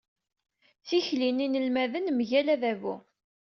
Tikli n yinelmaden mgal adabu.